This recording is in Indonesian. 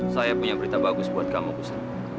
saya punya berita bagus buat kamu khusus